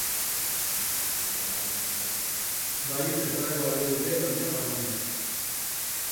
Bai, zertarako balio dute, baina, parrandek?